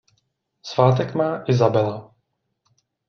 Svátek má Izabela.